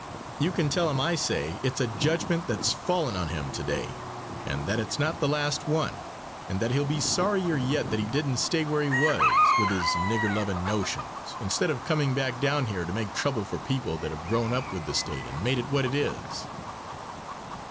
You can tell him I say it's a judgment that's fallen on him to day, and that it's not the last one, and that he'll be sorrier yet that he didn't stay where he was, with his nigger lovin' notions, instead of comin' back down here to make trouble for people that have grown up with the State and made it what it is."